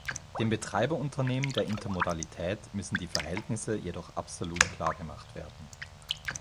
Den Betreiberunternehmen der Intermodalität müssen die Verhältnisse jedoch absolut klargemacht werden.